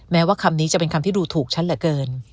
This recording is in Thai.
แม้ว่าคำนี้จะเป็นคำที่ดูถูกฉันเหลือเกิน